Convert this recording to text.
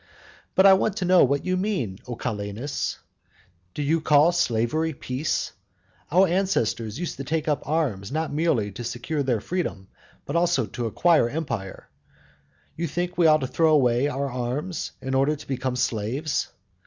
But I want to know what you mean, O Calenus? Do you call slavery peace? Our ancestors used to take up arms not merely to secure their freedom, but also to acquire empire; you think that we ought to throw away our arms, in order to become slaves.